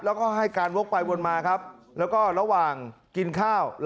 แล้วก็ให้การวกไปวนมาครับแล้วก็ระหว่างกินข้าว